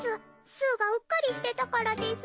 すうがうっかりしてたからです。